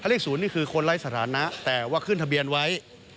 เลข๐นี่คือคนไร้สถานะแต่ว่าขึ้นทะเบียนไว้